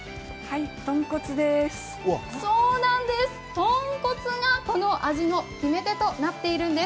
豚骨が味の決め手となっているんです。